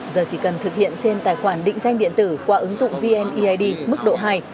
giờ chỉ cần thực hiện trên tài khoản định danh điện tử qua ứng dụng vneid mức độ hai